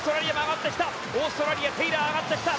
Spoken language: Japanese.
オーストラリアが上がってきた。